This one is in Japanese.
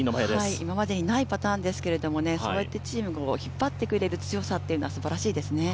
今までにないパターンですけど、チームを引っ張ってくれる姿はすばらしいですね。